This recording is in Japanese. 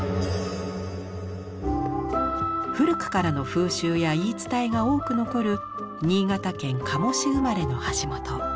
古くからの風習や言い伝えが多く残る新潟県加茂市生まれの橋本。